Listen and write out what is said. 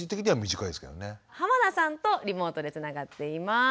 濱名さんとリモートでつながっています。